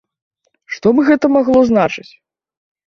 Што б гэта магло значыць?